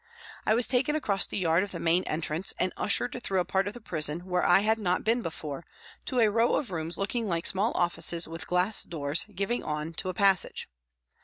I was taken across the yard of the main entrance and ushered through a part of the prison where I had not been before to a row of rooms looking like small offices with glass doors, giving on to a passage.